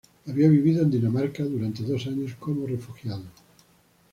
Había vivido en Dinamarca durante dos años como refugiado.